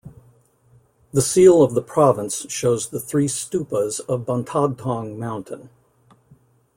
The seal of the province shows the three stupas on Bantadthong Mountain.